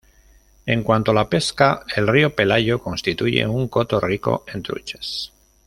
En cuanto la pesca, el río Pelayo constituye un coto rico en truchas.